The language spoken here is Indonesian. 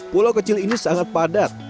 pulau kecil ini sangat padat